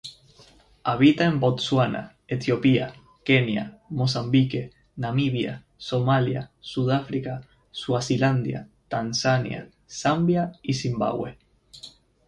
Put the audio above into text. Habita en Botsuana, Etiopía, Kenia, Mozambique, Namibia, Somalia, Sudáfrica, Suazilandia, Tanzania, Zambia y Zimbabue.